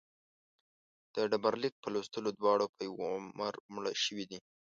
د ډبرلیک په لوستلو دواړه په یوه عمر مړه شوي دي.